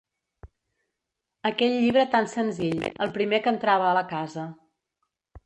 Aquell llibre tant senzill, el primer que entrava a la casa